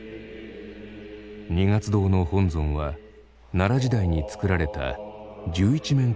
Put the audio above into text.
二月堂の本尊は奈良時代につくられた十一面観音菩像。